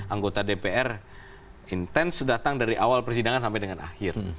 anggota dpr intens datang dari awal persidangan sampai dengan akhir